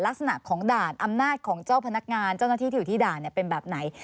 ลักษณะของด่านอำนาจของเจ้าพนักงานเจ้าหน้าที่ที่อยู่ที่ด่านเป็นแบบไหน